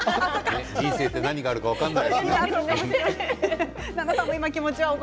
人生、何があるか分からないね。